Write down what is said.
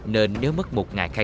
nên nếu mất một ngày khác